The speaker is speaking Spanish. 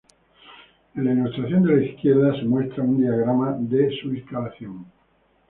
En la ilustración de la izquierda, se muestra un diagrama de su instalación.